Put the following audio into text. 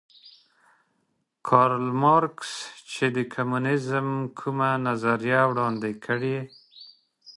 کارل مارکس چې د کمونیزم کومه نظریه وړاندې کړې